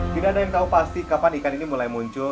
tidak ada yang tahu pasti kapan ikan ini mulai muncul